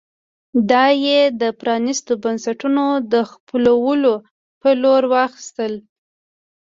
دا یې د پرانېستو بنسټونو د خپلولو په لور واخیستل.